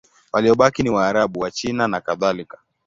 Waliobaki ni Waarabu, Wachina nakadhalika.